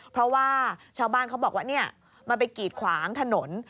เพราะว่าชาวบ้านเขาบอกว่ามันไปกีดขวางถนน